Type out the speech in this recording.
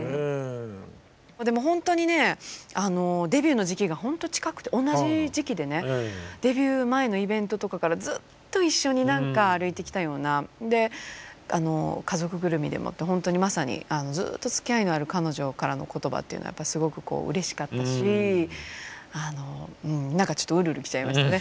でもほんとにねデビューの時期がほんと近くて同じ時期でねデビュー前のイベントとかからずっと一緒に何か歩いてきたようなで家族ぐるみでもって本当にまさにずっとつきあいのある彼女からの言葉っていうのはやっぱりすごくうれしかったし何かちょっとうるうるきちゃいましたね。